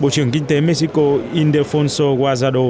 bộ trưởng kinh tế mexico indefonso guajardo